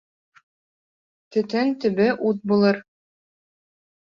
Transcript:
Төтөн төбө ут булыр.